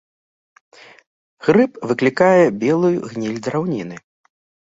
Грыб выклікае белую гніль драўніны.